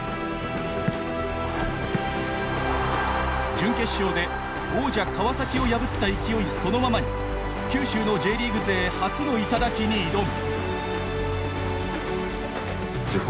準決勝で王者・川崎を破った勢いそのままに九州のＪリーグ勢、初の頂に挑む。